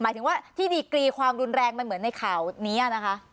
หมายถึงว่าที่ดีกรีความรุนแรงมันเหมือนในข่าวนี้นะคะ